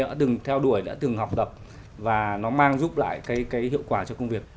đã từng theo đuổi đã từng học tập và nó mang giúp lại cái hiệu quả cho công việc